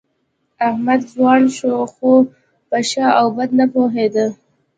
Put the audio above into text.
احمد ځوان شو، خو په ښه او بد نه پوهېده.